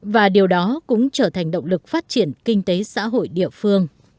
và điều đó cũng trở thành động lực phát triển kinh tế xã hội địa phương